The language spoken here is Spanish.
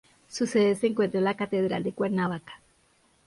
Su sede se encuentra en la Catedral de Cuernavaca.